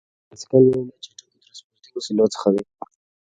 بایسکل یو له چټکو ترانسپورتي وسیلو څخه دی.